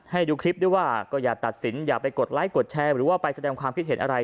ให้ดูคลิปด้วยว่าก็อย่าตัดสินอย่าไปกดไลค์กดแชร์หรือว่าไปแสดงความคิดเห็นอะไร